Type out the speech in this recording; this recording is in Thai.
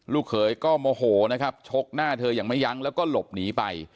เขยก็โมโหนะครับชกหน้าเธออย่างไม่ยั้งแล้วก็หลบหนีไป